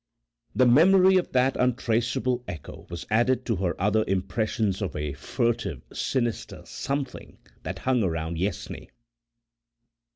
The memory of that untraceable echo was added to her other impressions of a furtive sinister "something" that hung around Yessney.